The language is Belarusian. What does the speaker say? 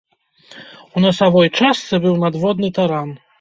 У насавой частцы быў надводны таран.